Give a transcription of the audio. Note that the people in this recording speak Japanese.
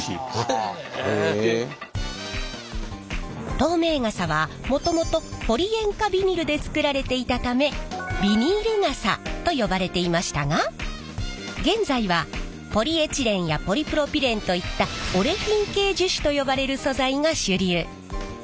透明傘はもともとポリ塩化ビニルで作られていたためビニール傘と呼ばれていましたが現在はポリエチレンやポリプロピレンといったオレフィン系樹脂と呼ばれる素材が主流。